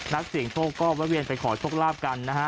นักเสียงโชคก็แวะเวียนไปขอโชคลาภกันนะฮะ